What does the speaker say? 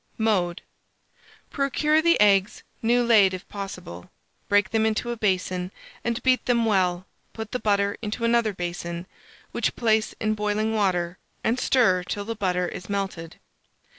Mode. Procure the eggs new laid if possible; break them into a basin, and beat them well; put the butter into another basin, which place in boiling water, and stir till the butter is melted.